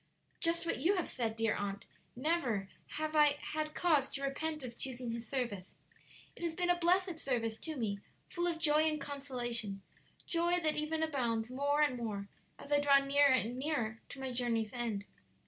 "Just what you have said, dear aunt; never have I had cause to repent of choosing His service; it has been a blessed service to me, full of joy and consolation joy that even abounds more and more as I draw nearer and nearer to my journey's end.